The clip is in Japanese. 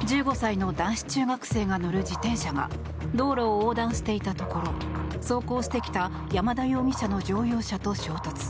１５歳の男子中学生が乗る自転車が道路を横断していたところ走行してきた山田容疑者の乗用車と衝突。